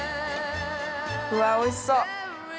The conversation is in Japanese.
うわぁおいしそう！